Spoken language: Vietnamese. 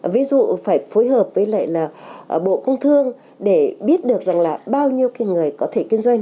ví dụ phải phối hợp với lại là bộ công thương để biết được rằng là bao nhiêu cái người có thể kinh doanh